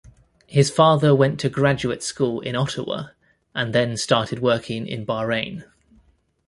His father went to graduate school in Ottawa, and then started working in Bahrain.